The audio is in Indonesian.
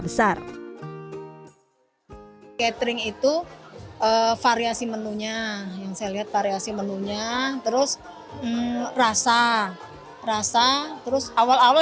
besar catering itu variasi menunya yang saya lihat variasi menunya terus rasa rasa terus awal awal